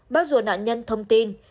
bác ruột nạn nhân thông tin